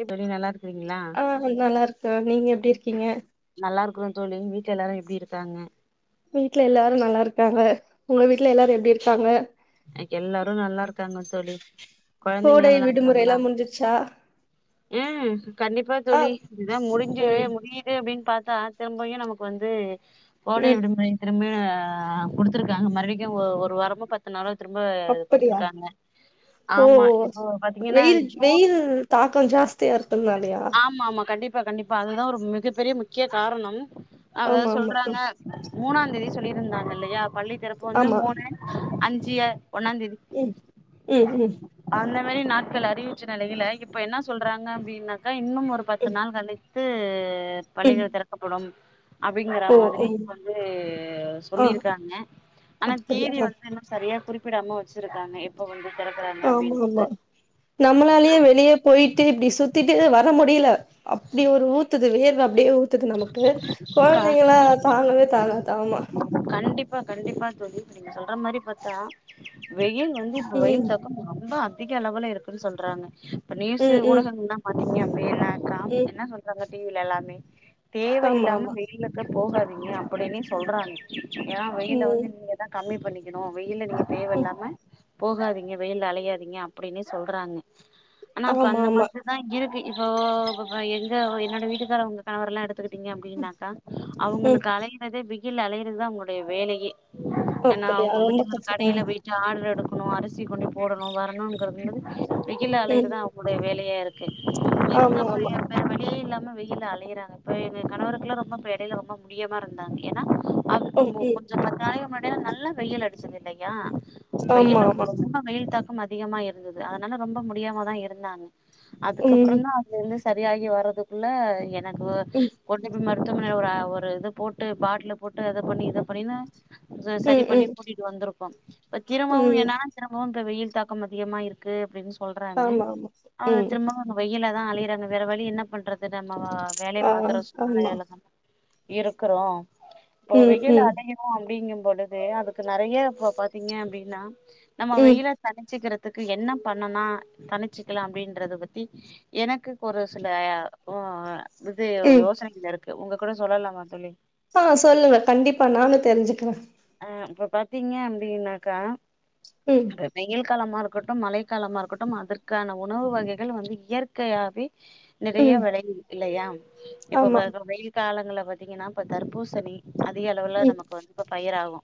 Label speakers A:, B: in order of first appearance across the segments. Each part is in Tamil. A: எ தோழி நல்லா இருக்கறீங்களா
B: அ நல்லா இருக்கேன் நீங்க எப்படி இருக்கீங்க
A: நல்லா இருக்கறோம் தோழி வீட்ல எல்லாரும் எப்படி இருக்காங்க
B: வீட்ல எல்லாரும் நல்லா இருக்காங்க உங்க வீட்ல எல்லாரும் எப்படி இருக்காங்க
A: எல்லாரும் நல்லா இருக்காங்க தோழி கொழந்தைங்கலாம் நல்லா இருக்காங்களா
B: முடிஞ்சிடுச்சா
A: ம் கண்டிப்பா தோழி இதுதான் முடிஞ்சு
B: ம்
A: முடியுது அப்படின்னு பாத்தா திரும்பயும் நமக்கு வந்து கோடை
B: ம்
A: விடுமுறை திரும்பயும் அ குடுத்திருக்காங்க மறுபடிக்கும் ஒரு வாரமோ பத் இத்தன்நாளா திரும்ப
B: அப்படியா
A: குடுத்துருக்காங்க
B: ஓ
A: ஆமா இப்போ பாத்தீங்கன்னா ஜூன்
B: தாக்கம் ஜாஸ்தியா இருக்
A: ஆமா ஆமா கண்டிப்பா கண்டிப்பா அதுதான் ஒரு மிகப்பெரிய முக்கிய காரணம் அதா
B: ஆமா ஆமா ம்
A: சொல்றாங்க மூணாந் தேதி சொல்லியிருந்தாங்க இல்லையா பள்ளி திறப்பு வந்து
B: ஆமா
A: மூணு அஞ்சிய ஒன்னாந்தேதி
B: ம் ம் ம்
A: அந்த மாறி நாட்கள் அறிவிச்ச நிலையில இப்ப என்ன சொல்றாங்க அப்படின்னாக்கா இன்னும் ஒரு பத்து
B: ம்
A: நாள் கழிச் த்து
B: ம்
A: பள்ளிகள் திறக்கப்படும் அப்படிங்கற
B: ஓ
A: மாதிரி
B: ம்
A: வந்து
B: ஆ
A: சொல்லியிருக்காங்க ஆனா
B: அப்படியா
A: தேதி வந்து என்ன சரியா குறிப்பிடாம வச்சிருக்காங்க எப் இப்போ வந்து திறக்கறாங்க
B: ஆமா ஆமா
A: அப்டின்றத
B: நம்மளாலயே வெளிய போயிட்டு இப்டி சுத்திட்டு வர முடியல அப்படி ஒரு ஊத்துது வேர்வ அப்படியே ஊத்துது நமக்கு
A: கா
B: கொழந்தைங்க எல்லாம் தாங்கவே தாங்காது ஆமா
A: கண்டிப்பா கண்டிப்பா தோழி இப்ப நீங்க சொல்ற மாறி பாத்தா வெயில் வந்து இப்ப
B: ம்
A: வெயில் தாக்கம் ரொம்ப அதிக அளவுல இருக்குன்னு சொல்றாங்க இப்ப நியூஸ்சு
B: ம் ம்
A: ஊடகங்க எல்லாம் பாத்தீங்க அப்படினாக்கா
B: ம்
A: என்ன சொல்றாங்க டிவில எல்லாமே தேவ
B: ஆமா
A: இல்லாம
B: ஆமா
A: வெயில போகாதீங்க அப்படினே சொல்றாங்க ஏன் வெயில வந்து
B: ம்
A: நீங்க தா கம்மி பண்ணிக்கணும் வெயில நீங்க
B: ம்
A: தேவைையில்லாம போகாதீங்க வெயில்ல அலையாதீங்க அப்படின்னே சொல்றாங்க ஆனா அப்ப
B: ஆமா
A: அந்த
B: ஆமா
A: மாதிரி அ இருக்கு இப்போ எங்க என்னோட வீட்டுக்காரவங்க கணவர் எல்லாம் எடுத் டிங்க அப்டின்னாக்கா
B: ம்
A: அவங்களுக்கு அலையுறதே வெயில் அலையறதா அவங்களுடைய வேலையே ஏன்னா
B: அப்படியா
A: அவங்க
B: ரொம்ப
A: முதியுரு
B: கஷ்டம்
A: கடையுல
B: ம்
A: வெயிட் ஆர்டர் எடுக்கணு அரிசி கொண்டு போடணு வரணுங்குறது வெயில்
B: ம்
A: அலையுறதா அவங்களுடைய வேலையா இருக்
B: ஆமா ஆமா
A: வேற வழியே இல்லாம வெயில்ல அலையறாங்க இப்ப எங்க கணவருக்குல்லா ரொம்ப இப்ப எடையில ரொம்ப முடியமா இருந்தாங்க ஏன்னா அவரு
B: ம்
A: கொஞ்ச
B: ம்
A: கொஞ்ச பத்து நாளைக்கு முன்னாடியலா நல்லா வெயில் அடிச்சது இல்லையா
B: ஆமா
A: வெயில் அ
B: ஆமா
A: ரொம்ப வெயில் தாக்கம் அதிகமா இருந்தது அதனால ரொம்ப முடியாம தா இருந்தாங்க அதுக்கப்புறொ
B: ம்
A: தா இதுல இருந்து சரியாகி வர்றதுக்குள்ள எனக்கு
B: ம்
A: கொண்டு போய் மருத்துவமனைல ஒரு அ ஒரு இது போட்டு பாட்டுல போட்டு இத பண்ணி இத பண்ணின்னு சரி
B: ம்
A: பண்ணி
B: ம்
A: கூட்டிகிட்டு வந்துருக்கோ இப்ப திரும்பவு
B: ம்
A: என்னன்னா திரும்பவு இப்ப வெயில் தாக்கம் அதிகமா இரு க்கு அப்டின்னு சொல்றாங்க
B: ஆமா ஆமா
A: அவங்க
B: ம்
A: திரும்பவு வெயில தா அலையுறாங்க வேற வழி என்ன பண்றது நம்ம வேலைய
B: ஆ
A: பாக்குற
B: ஆமா
A: சூழ்நெலைல நம் இருக்குறோ இப்போ
B: ம்
A: வெயில்
B: ம்
A: அதிகறி அப்டிங்கும் பொழுது அதுக்கு நெறைய இப்ப பாத்தீங்க அப்டின்னா நம்ம
B: ம்
A: வெயில தனிச்சுக்குறதுக்கு என்ன பண்ணனா தனிச்சிக்குலா அப்டின்றத பத்தி எனக்குக் ஒரு சில உ இது
B: ம்
A: யோசனைகள் இருக்கு உங்க கூட சொல்லலாம தோழி
B: ஆ சொல்லுங்க கண்டிப்பா நானு தெரிஞ்சுக்குறே
A: அ அப்ப பாத்தீங்க அப்டின்னாக்கா
B: ம்
A: வெயில் காலமா இருக்கட்டு மழைக்கலமா இருக்கட்டும் அதற்கான உணவு வகைகள் வந்து இயற்கையாவே நெறைய
B: ம்
A: வெலை இல்லையா இப்போ ப
B: ஆமா
A: வெயில் காலங்களல பாத்தீங்கன்னா இப்ப தர்பூசணி அதிக அளவுல
B: ம்
A: நமக்கு வந்து இப்ப பயிராகு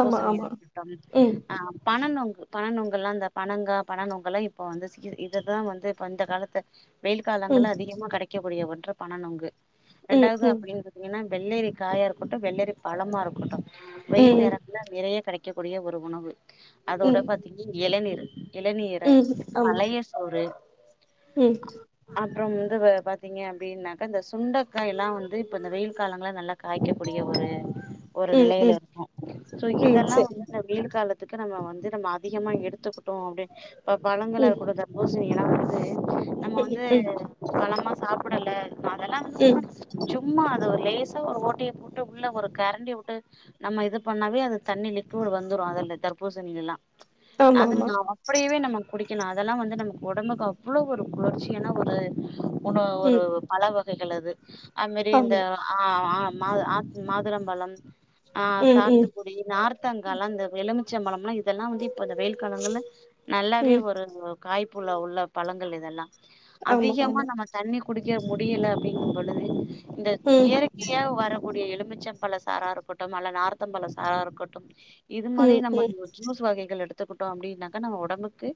B: ஆமா ஆமா
A: இருக்கட்டும்
B: ம்
A: அ பண நுங்கு பண நொங்கலா அந்த பணங்கா பண நொங்கல்லா இப்போ வந்து சி இது தா வந்து இப்போ இந்த காலத்த வெயில்
B: ம்
A: காலங்கள்ல அதிகமா கெடைக்கக்கூடிய ஒன்று பண நுங்கு
B: ம்
A: இரண்டாவது
B: ம்
A: அப்டி பாத்திங்கன்னா வெள்ளரி காயா இருக்கட்டு வெள்ளரி பழமா இருக்கட்டு வெயில்
B: ம்
A: நேர ங்கல்ல நெறைய கெடைக்கக்கூடிய ஒரு உணவு அதோட
B: ம்
A: பாத்தீங்க எளநீர் இளநீரை
B: ம் ஆமா
A: பழைய சோறு
B: ம்
A: அப்புறம் வந்து வ பாத்தீங்க அப்டின்னாக்கா இந்த சுண்டைக்காய் எல்லா வந்து இப்ப இந்த வெயில் காலங்கள்ல நல்லா காய்க்கக்கூடிய ஒரு ஒரு
B: ம்
A: நிலையில
B: ம்
A: இருக்கு சோ
B: ம்
A: இதெல்லா
B: சரி
A: வந்து வெயில் கலத்துக்கு நம்ம வந்து நம்ம அதிகமா எடுத்துக்குட்டோ அப்டி இப்ப பழங்களா
B: ம்
A: இருக்கட்டு தர்பூ சண்டிலா வந்து நம்ம
B: ம்
A: வந்து
B: ம்
A: பழமா சாப்புடல அதெல்லா
B: ம்
A: வந்து [inaudible] சும்மா அது ஒரு லேசா ஒரு ஓட்டய போட்டு உள்ள ஒரு கரண்டிய வி ட்டு நம்ம இது பண்ணாவே அது தண்ணி லிக்விட் வந்துறு அதுல தர்பூசணி எல்லா
B: ஆமா
A: அது
B: ஆமா
A: நா அப்டியவே நம்ம குடிக்கணு அதெல்லா வந்து நமக்கு ஒடம்புக்கு அவ்ளோ ஒரு குளிர்ச்சியான ஒரு உ ஒரு
B: ம்
A: பல வகைகள் அது அது மாரி இந்த
B: ஆமா
A: ஆ ஆ மாது ஆ மாதுளம்பழம் ஆ
B: ம் ம்
A: சாத்துக்கு டி நார்த்தாங்காலா இந்த எலுமிச்சம்பலம்ல்லா இதெல்லா வந்து இப்ப இந்த வெயில் காலங்கள்ல நல்லாவே
B: ம்
A: ஒரு காய்ப்புல உள்ள பழங்கள் இதெல்லா
B: ஆமா
A: அதிகமா
B: ஆமா
A: நம்ம தண்ணி குடிக்க முடியில அப்டிங்க பொழுது இந்த
B: ம்
A: இயற்கையா வர கூடிய எலுமிச்சம் பழ சாரா இருக்கட்டும் அல்ல நார்த்தம்பழ சாரா இருக்கட்டும் இது மாதிரி
B: ம்
A: நம்ம
B: ம்
A: ஜூஸ் வகைகள் எடுத்துக்குட்டோ அப்டின்னாக்கா நம்ம ஒடம்புக்கு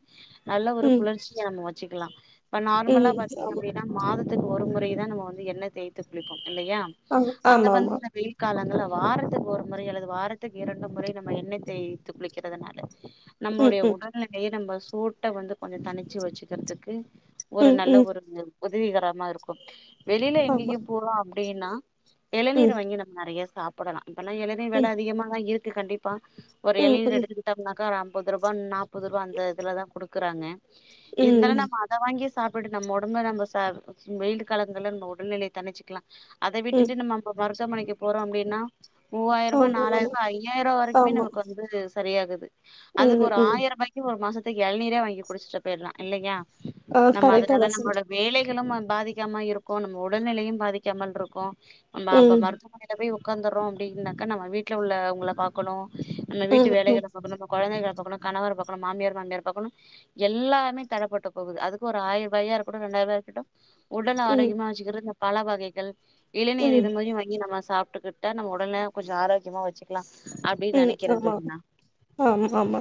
A: நல்ல ஒரு
B: ம்
A: குளிர்ச் கீய நம்ம வச்சிக்கலா இப்ப நார்மலா
B: ம்
A: பாத்தீங்க
B: ஆமா
A: அப்டே நம் மாதத்துக்கு ஒரு முறைதா நம்ம வந்து எண்ண தேய்த்து குளிப்போம் இல்லையா
B: ஆமா
A: அத
B: ஆமா
A: வந்து
B: ஆமா
A: இந்த வெயில் காலங்கள்ல வாரத்துக்கு ஒரு முறை அல்லது வாரத்துக்கு இரண்டு முறை நம்ம எண்ணெய் தேய்த்து குளிக்கிறதுனால
B: ம்
A: நம்மளுடைய
B: ம்
A: உடல்நிலைய நம்ம சூட்ட வந்து கொஞ்சோ தனிச்சு வச்சுக்கிறதுக்கு ஒரு நல்ல ஒரு ம் உதவிகரமா இருக்கும் வெளில
B: ஆமா
A: எங்கயும் போறோ அப்டினா எளநீர
B: ம்
A: வாங்கி நம்ம நெறைய சாப்பிடலா இப்பல்லா எளநீர்
B: ம்
A: வெல அதிகமாதா இருக்கு கண்டிப்பா ஒரு
B: ம்
A: எள்நீர்
B: ம்
A: எடுத்துக்கிட்டம்னாக்கா ஒரு அம்பத்ருபா நாப்பத்ருபா அந்த இதுல தா குடுக்கறாங்க இருந்தாலு
B: ம்
A: நம்ம அத வாங்கி சாப்பிட்டு நம்ம ஒடம்ப நம்ம ச அ வெயிலு காலங்கள்ல நம்ம ஒடல்நிலைய தணிச்சிக்கலா அத
B: ம்
A: விட்டுட்டு நம்ம அப்ப மருத்துவமனைக்கு போறோ அப்டின்னா மூவாய்ருபா,
B: ஆமா ஆமா
A: நாலாய்ருபா ஐய்யாய்ருபா வரைக்குமே
B: ஆமா
A: நமக் வந்து சரியாகுது அதுக்கு
B: ம்
A: ஒரு
B: ம்
A: ஆயர்ருபாய்க் கு ஒரு மாசத்துக் எள்நீரே வாங்கி குடிஸ்ட்டு போயர்லா இல்லையா
B: ஆ
A: நம்ம
B: கரெக்டா தா
A: அதுனால
B: சொல்ற
A: நம்ளோட வேலைகளும் அ பாதிக்காம இருக்கு நம்ம உடல்நிலையும் பாதிக்காமல்ருக்கு நம்ம அப்ப
B: ம்
A: மருத்துவமனை ல போய் உக்காந்தர்றோ அப்டின்னாக்கா நம் வீட்ல உள்ளவங்கள பாக்கணு நம்ம
B: ம்
A: வீட்டு
B: ம்
A: வேலைகள பாக்கணு நம்ம கொழந்தங்கள பாக்கணு கணவர பாக்கணு மாமியார் மாம்னார பாக்கணு எல்லாமே தடப்பட்டு போகுது அதுக்கு ஒரு ஆயர்ருபாயா இருக்கட்டு ரெண்டாயர்ருபாயா இருக்கட்டு உடல
B: ம்
A: ஆரோக்கியமா வெச்சுக்கறக் இந்த பழ வகைகள், இளநீர்
B: ம்
A: இது மாரியு வாங்கி நம்ம சாப்ட்டுக்கிட் டா நம்ம உடல கொஞ்ச ஆரோக்கியமா வச்சுக்கலா அப்டின்னு
B: ம்
A: நெனைக்கிறே
B: ஆமா
A: தோழி நா
B: ஆமா ஆமா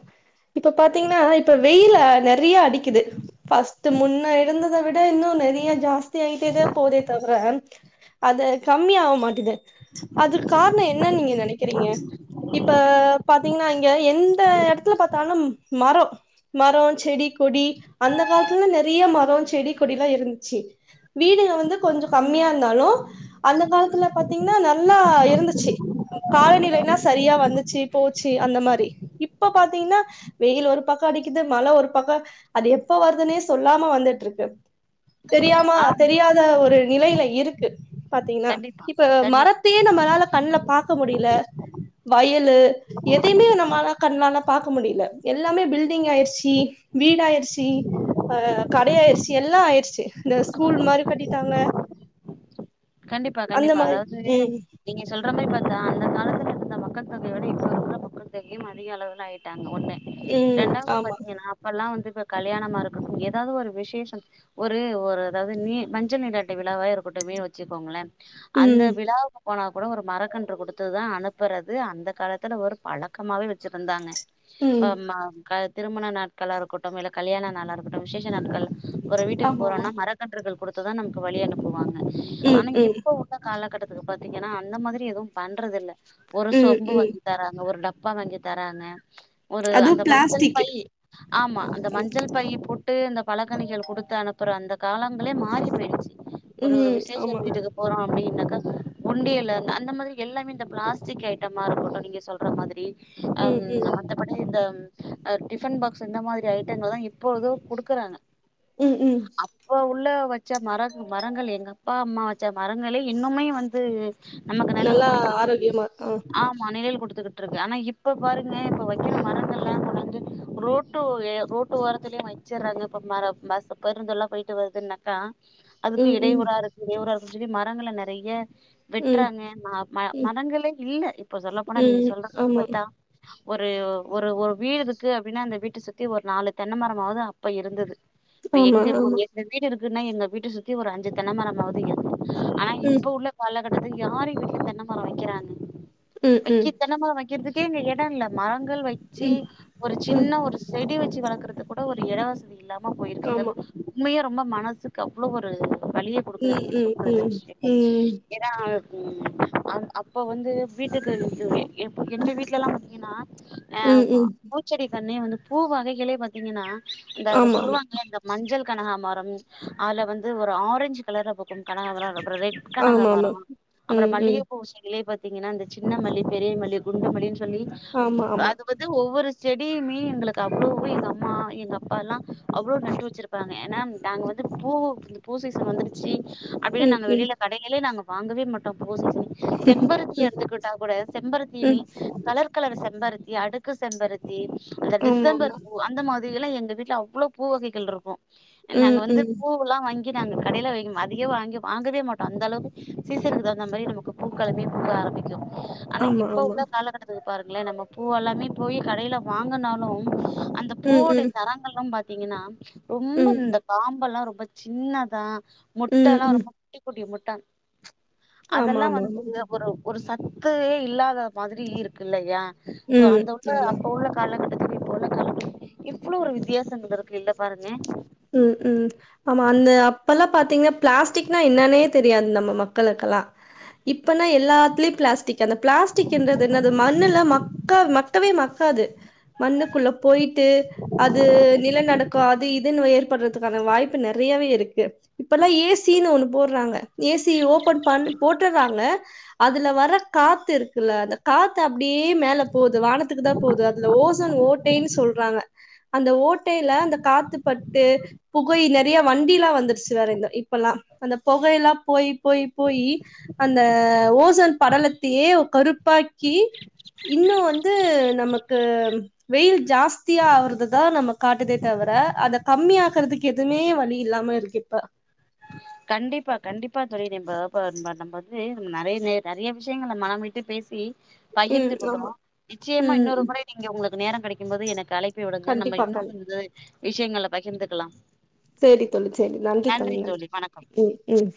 B: இப்ப பாத்தீங்னா இப்ப வெயில நெறைய அடிக்கிது ஃபஸ்ட்டு முன்ன இருந்த த் விட இன்னு நெறிய ஜாஸ்தி ஆய்ட்டேதா போதே தவுர அது கம்மி ஆவ் மாட்டிது அதுக் கார்ணோ என்னனு நீங்க நெனைக்கறீங்க இப்ப பாத்தீங்னா இங்க எந்த எடத்துல பாத்தாலும் மரோ மரோ, செடி, கொடி அந்த காலத்துலல்லா நெறிய மரோ, செடி, கொடி எல்லா இருந்ச்சி வீடுக வந்து கொஞ்சோ கம்மியா இர்ந்தாலு அந்த காலத்துல பாத்தீங்னா நல்லா இருந்துச்சி ம் காலநிலைனா சரியா வந்துச்சி போச்சி அந்த மாரி இப்ப பாத்தீங்னா வெயில் ஒரு பக்கோ அடிக்கிது மழ ஒரு பக்கோ அது எப்ப வர்துன்னே சொல்லாம வந்துட்ருக்கு தெரியாம
A: ஆ
B: தெரியாத ஒரு நிலைல இருக்கு பாத்தீங்கன்னா
A: கண்டிப்பா
B: இப்ப
A: கண்டிப்பா
B: மரத் தையே நம்மளால கண்ல பாக்க முடில வயலு எதையுமே நம்மால கண்ணால பாக்க முடியில எல்லாமே பில்டிங் ஆய்ர்ச்சி வீடாய்ர்ச்சி அ கடையாயிர்ச்சி எல்லா ஆயிர்ச்சி இந்த ஸ்கூல் மாரி கட்டீட்டாங்க
A: கண்டிப்பா கண்டிப்பா
B: மாரி
A: அதாவ்து
B: ம்
A: நீங்க சொல்ற மாரி பாத்தா அந்த காலத்துல இருந்த மக்கள் தொகைய விட இப்ப இருக்குற மக்கள் தொகையும் அதிக அளவுல ஆய்ட்டாங்க ஒன்னு
B: ம்
A: ரெண்டாவ்து
B: ஆமா
A: பாத்தீங்கன்னா இப்பல்லா வந்து இப்ப கல்யாணமா இருக்கட்டும் எதாவ்து ஒரு விசேஷம் ஒரு ஒரு அதாவ்து நீ மஞ்சள் நீராட்டு விழாவா இருக்கட்டுமே வச் சிக்கோங்களே அந்த
B: ம்
A: விழா போனா கூட ஒரு மரக்கன்று குடுத்துதா அனுப்பறது அந்த காலத்துல ஒரு பழக்கமாவே வெச்சிருந்தாங்க ஆ
B: ம்
A: ம க திருமண நாட்களா இருக்கட்டும் இல்ல கல்யாண நாளா இருக்கட்டும் விசேஷ நாட்கள் ஒரு வீட்டுக்கு
B: ஆமா ஆமா
A: போறோன்னா மரக்கன்றுகள் குடுத்துதா நமக்கு வழி அனுப்புவாங்க
B: ம்
A: ஆனா
B: ம்
A: இப்ப உள் ள காலகட்டத்துல பாத்தீங்கன்னா அந்த மாதிரி எதுவு பண்றதில்ல ஒரு
B: ம்
A: சொம்பு
B: ம்
A: வாங்கி தராங்க ஒரு டப்பா வாங்கி தராங்க ஒரு அந்த
B: அதுவும்
A: மஞ்சள்
B: பிளாஸ்டிக்
A: பையி ஆமா அந்த மஞ்சள் பையி போட் ட்டு இந்த பழக்கனிகள் குடுத்து அனுப்பப அந்த காலங்களே மாறி போயிடுச்சு ஒரு ஒரு
B: ம்
A: விசேஷ்
B: ஆமா
A: போறோம் அப்படின்னாக்கா உண்டியல அந்த மாதிரி எல்லாமே இந்த பிளாஸ்டிக் ஐட்டமா இருக்கட்டும் நீங்க சொல்ற மாதிரி
B: ம்
A: அம்
B: ம்
A: வந்து அப்படி இந்த டிஃபன் பாக்ஸ் இந்த மாரி ஐட்டங்கள்லா இப்போதும் குடுக்கறாங்க
B: ம் ம்
A: இப்ப உள்ள வச்ச மர மரங்கள் எங்க அப்பா அம்மா வச்ச மரங்களே இன்னுமே வந்து நமக்கு நெழல்
B: நல்லா
A: குடுத்துட்ருக்கு
B: ஆரோக்கியமா ஆ
A: ஆமா நெழல் குடுத்துருக் ட்ருக்கு ஆனா இப்ப பாருங்க இப்ப வைக்கிற மரங்கள்ல்லா கொண்டாந்து ரோட்டு ரோட்டு ஓரத்திலேயே வைக் வச்சிறாங்க இப்ப மர பஸ் பேருந்தெல்லா போயிட்டு வருதுன்னாக்கா அதுக்கு
B: ம் ம்
A: இடையூறா இருக்கு இடையூற இருக்குனு சொல்லி மரங்கள நெறய
B: ம்
A: வெட்றாங்க மா ம
B: ம்
A: மரங்களே இல்ல இப்ப சொல்ல போனா நீங்க
B: ம்
A: சொல்ற மாரி
B: ஆமா
A: பாத்தா ஒரு ஒரு ஒ வீடு இருக்கு அப்படின்னா அந்த வீட்ட சுத்தி ஒரு நாலு தென்னைமரமாவது அப்ப இருந்தது இப்ப
B: ஆமா
A: எங்க
B: ஆமா
A: எங்க வீடு இருக்குன்னா எங்க வீட்ட சுத்தி ஒரு அஞ்சு தென்ன மரமாவது இருக்கு ஆன
B: ம்
A: இப்ப உள்ள காலகட்டத்துக்கு யாரு வீட்டு தென்ன மரம் வைக்கறாங்க
B: ம்
A: விக்கி
B: ம்
A: க தென்மரம் வைக்கர்துக்கே இங்க எடம் இல்ல மரங்கள் வச்சு
B: ம்
A: ஒரு
B: ம்
A: ஜின்ன ஒரு செடி வச்சு வளர்க்கறது கூட ஒரு எடவசதி இல்லாம போயிருக்குங்கர்
B: ஆமா
A: உண்மையா ரொம்ப மனசுக்கு அவ்ளோ ஒரு வலிய கொ
B: உம் உம் ம் ம்
A: ஏன்னா ம அ அப்ப வந்து வீட்டுக்கு எந்த வீட்டல எல்லாம் பாத்தீங்கன்னா
B: ம்
A: ஆம்மா
B: ம்
A: பூச்சடி கண்னே வந்து பூ வகைகளே பார்த்தீங்கன்னா இந்த அத
B: ஆமா ஆமா
A: சொல்லுவாங்ளே இந்த மஞ்சள் கனகாமரம் அதுல வந்து ஒரு ஆரஞ்ச் கலரா பூக்கும் கனகாமரம் அப்பற ரெட்
B: ஆமாமா
A: கனகாமரம் அப்புறம்
B: ம் ம்
A: மல்லிகை பூ செடிகளே பத் தீங்கன்னா அந்த ஜின்ன மல்லி, பெரிய மல்லி, குண்டு மல்லின் சொல்லி
B: ஆமா ஆமா
A: அது வந்து ஒவ்வொரு செடியுமே எங்களுக்கு அவ்ளோவு எங்க அம்மா எங்க அப்பா எல்லாம் அவ்ளோ நட்டு வச்சிருக் ப்பாங்க ஏன்னா நாங்க வந்து பூ பூ சீசன் வந்துரு ச்சி அப்படினா
B: ம்
A: நாங்க
B: ம்
A: வெளியில கடைகளே நாங்க வாங்கவே மாட்டோம் போ சீசனு செம்பருத்தி எடுத்துக்கிட்டா கூடா
B: ம்
A: செம்பருத்தியுமே
B: ம்
A: கலர் கலர செம்பருத்தி அடுக்கு செம்பருத்தி அந்த டிசம்பர்
B: ஆமாமா
A: பூ அந்த மாதிரி எல்லாம் எங்க வீட்ல அவ்ளோ பூ வகைகள் இருக்கும் நாங்க
B: ம்
A: வந்து
B: ம்
A: பூவெல்லாம் வாங்கி நாங்க கடையில அதிக வாங்கி வாங்கவே மாட்டோம் அந்த அளவுக்கு சீசனுக்கு தகுந்த மாரி நமக்கு பூக்களுமே பூக்க ஆரம்பிக்கும் ஆனா,
B: ஆமா
A: இப்ப
B: ஆமா
A: உள்ள காலக்கட்டத்துக்கு பாருங்களேன் நம்ம பூ எல்லாமே போய் கடையில வாங்கனாலும் அந்த
B: ம் ம்
A: பூவோடய தரங்கள்லாம் பாத்தீங்கன்னா ரொம்ப
B: ம்
A: இந்த காம்பெல்லாம் ரொம்ப ஜின்னதா
B: ம்
A: மொட்டல்லாம்
B: ம்
A: ரொம்ப குட்டி குட்டி மொட்டா
B: ஆமா
A: அதெல்லாம்
B: ஆமா
A: வந்து
B: ஆமா
A: ஒரு ஒரு சத்தே இல்லாத மாதிரி இருக்கு இல்லையா சோ
B: ம்
A: அந்த உள்ள
B: ஆமா
A: அப்ப உள்ள காலக்கட்டத்துக்கு இப்புள்ள காலக்கத்து எவ்ளோ ஒரு வித்தியாசங்கள் இருக்கு இல்ல பாருங்க
B: ம் ம் ஆமா அந்த அப்ப எல்லாம் பாத்தீங்கன் பிளாஸ்டிக்னா என்னன்னே தெரியாது நம்ம மக்களுக்கெல்லாம் இப்பனா எல்லாத்துல பிளாஸ்டிக் அந்த பிளாஸ்டிக்ன்றது என்னது மண்ணுல மக் க மக்கவே மக்காது மண்ணுக்குள்ள போயிட்டு அது நில நடுக்ககோ அது இது [unintelligible] ஏற்படுறதுக்கான வாய்ப்பு நெறயவே இருக்கு இப்பல்லாம் ஏசினு ஒண்ணு போட்றாங்க ஏசி ஓபன் பண் போட்டுறாங்க அதுல வர காத்து இருக்குல்ல அத காத்து அப்டியே மேல போது வானத்துக்குதா போது அதுல ஓசோன் ஓட்டைன் சொல்றாங்க அந்த ஓட்டைல அந்த காத்து பட்டு புகை நிறைய வண்டிலா வந்து சிவாரைல இப்பல்லா அந்த பொகையில்லா போயி போயி போயி அந்த ஓசோன் படலத் ஏ கருப்பாக்கி இன்னு வந்து நமக்கு வெயில் ஜாஸ்தியா ஆவறதுதா நம்மக் காட்டுதே தவர அத கம்மியாக்கறதுக்கு எதுமே வழி இல்லாம இருக்கு இப்ப
A: கண்டிப்பா கண்டிப்பா தோழி நம்ம இப்ப நம்ம வந்து நறைய நே நறைய விஷயங்கள மனம்விட்டு பேசி
B: ம்
A: பகிந்துகுட்டோ
B: ஆமா
A: நிச்சியமா
B: ம்
A: இன்னொரு
B: ம்
A: முறை நீங்க உங்களுக்கு நேரம் கடைக்கும்போது எனக்கு அழைக் பிவுடுங்க நம்ம
B: கண்டிப்பா
A: இன்னு
B: கண்
A: வந்து விஷயங்கள பகிர்ந்துக்கலா
B: நன்றி தோழி செரி நன்றி தோழி ம் ம்